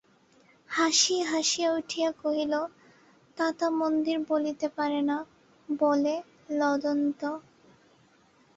হাসি হাসিয়া উঠিয়া কহিল, তাতা মন্দির বলিতে পারে না, বলে লদন্দ।